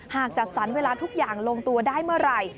จัดสรรเวลาทุกอย่างลงตัวได้เมื่อไหร่